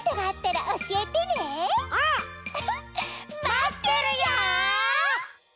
まってるよ！